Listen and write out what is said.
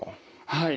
はい。